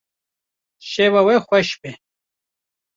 Şeva we xweş be.